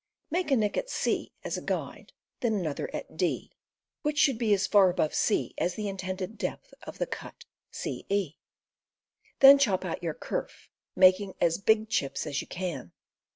Make a nick at c as a guide, then another at d, which 256 Felling a Tree. AXEMANSHIP 257 should be as far above c as the intended depth of the cut ce. Then chop out your kerf, making as big chips as you can.